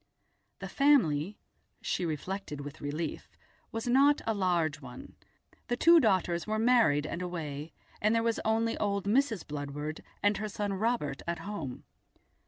The family, she reflected with relief, was not a large one; the two daughters were married and away, there was only old Mrs. Bludward and her son Robert at home.